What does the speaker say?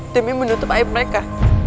demi menutup air mereka